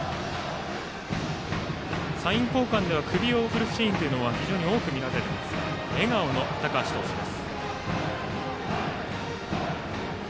サイン交換では首を振るシーンが非常に多く見られますが笑顔の高橋投手です。